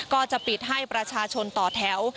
ก็จะปิดให้ประชาชนต่อแถว